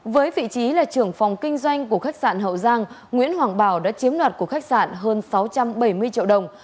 với vị trí là trưởng phòng kinh doanh của khách sạn hậu giang nguyễn hoàng bảo đã chiếm đoạt của khách sạn hơn sáu trăm bảy mươi triệu đồng